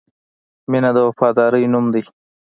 • مینه د وفادارۍ نوم دی.